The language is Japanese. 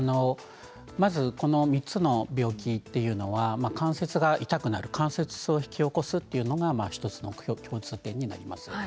まずこの３つの病気というのは関節が痛くなる関節痛を引き起こすというのが１つの共通点になります。